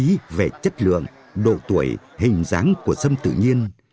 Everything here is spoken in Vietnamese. các tiêu chí về chất lượng độ tuổi hình dáng của sâm tự nhiên